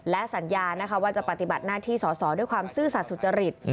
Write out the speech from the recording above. และสัญญานะคะว่าจะปฏิบัติหน้าที่สอสอด้วยความซื่อสัตว์สุจริต